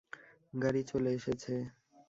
গাড়ি চলে এসেছে।